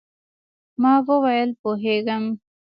ما وویل، پوهېږم.